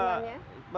berhitungan kita antara